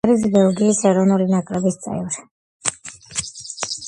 არის ბელგიის ეროვნული ნაკრების წევრი.